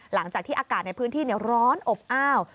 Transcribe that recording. หลังจากที่อากาศในพื้นที่ร้อนอบอ้าว